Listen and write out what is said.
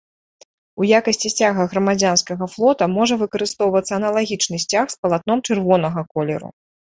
У якасці сцяга грамадзянскага флота можа выкарыстоўвацца аналагічны сцяг з палатном чырвонага колеру.